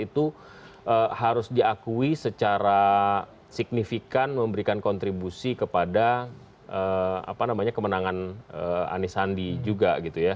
itu harus diakui secara signifikan memberikan kontribusi kepada apa namanya kemenangan anisandi juga gitu ya